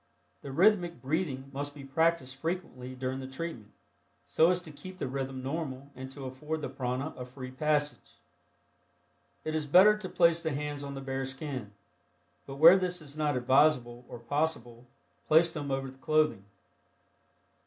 The rhythmic breathing must be practiced frequently during the treatment, so as to keep the rhythm normal and to afford the prana a free passage. It is better to place the hands on the bare skin, but where this is not advisable or possible place them over the clothing.